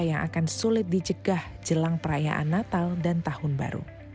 yang akan sulit dicegah jelang perayaan natal dan tahun baru